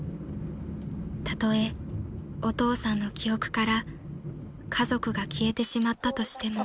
［たとえお父さんの記憶から家族が消えてしまったとしても］